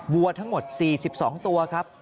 วัวทั้งหมด๔๒ตัวครับ